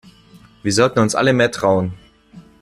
Wir sollten uns alle mehr trauen.